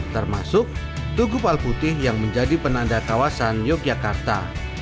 termasuk tugu palputih yang menjadi penanda kawasan yogyakarta